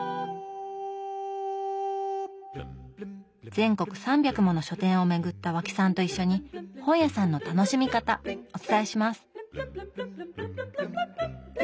全国３００もの書店を巡った和氣さんと一緒に本屋さんの楽しみ方お伝えします！